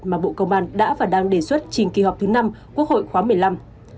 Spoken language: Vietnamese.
mà bộ công an đã và đang đề xuất trình kỳ họp thứ năm quốc hội khóa một mươi năm